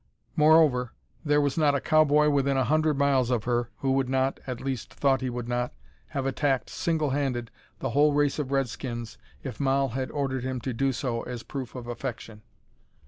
Moreover, there was not a cow boy within a hundred miles of her who would not (at least thought he would not) have attacked single handed the whole race of Redskins if Moll had ordered him to do so as a proof of affection.